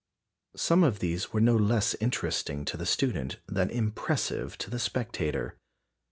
Some of these were no less interesting to the student than impressive to the spectator.